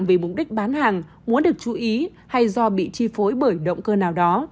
vì mục đích bán hàng muốn được chú ý hay do bị chi phối bởi động cơ nào đó